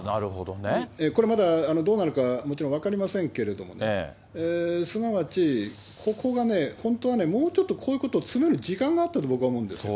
これまだどうなるか、もちろん分かりませんけれども、すなわち、ここがね、本当はね、もうちょっとこういうことを詰める時間があったと僕は思うんですよ。